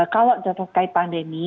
kalau terkait pandemi